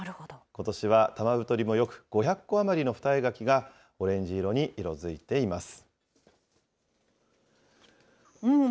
ことしは玉太りもよく、５００個あまりの柿がオレンジ色に色づいています。